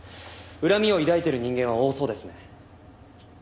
恨みを抱いている人間は多そうですね。